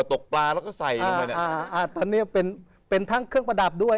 ตกปลาแล้วก็ใส่ลงไปเนี่ยอ่าอ่าตอนเนี้ยเป็นเป็นทั้งเครื่องประดับด้วย